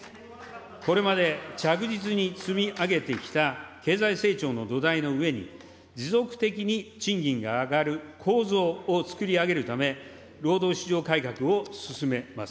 これまで着実に積み上げてきた経済成長の土台の上に、持続的に賃金が上がる構造を作り上げるため、労働市場改革を進めます。